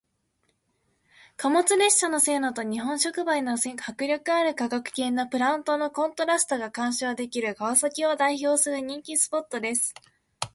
貨物列車の線路と日本触媒の迫力ある化学系のプラントのコントラストが鑑賞できる川崎を代表する人気のスポットです。